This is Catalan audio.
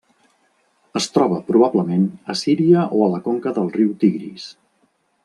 Es troba, probablement, a Síria o a la conca del riu Tigris.